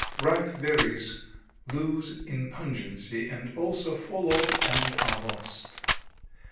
Ripe berries lose in pungency and also fall off and are lost.